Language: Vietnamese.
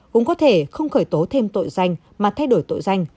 cũng có thể không khởi tố thêm tội danh mà thay đổi tội danh